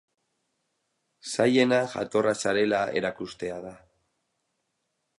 Zailena jatorra zarela erakustea da.